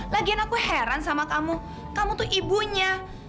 lagian aku heran sama kamu kamu tuh ibunya